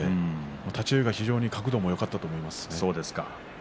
立ち合いも非常に角度がよかったと思います。